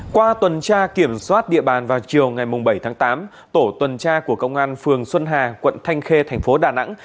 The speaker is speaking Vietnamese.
qua tuần tra kiểm soát địa bàn vào chiều ngày bảy tháng tám tổ tuần tra của công an phường xuân hà quận thanh khê thành phố đà nẵng